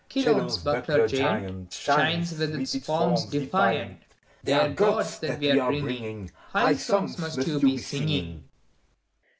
Chelone's buckler giant Shines with its forms defiant: — They're Grods that we are bringing High songs must you be singing!